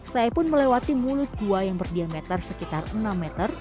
saya pun melewati mulut gua yang berdiameter sekitar enam meter